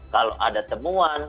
kalau ada temuan